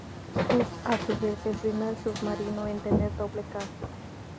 Es, a su vez, el primer submarino en tener doble casco.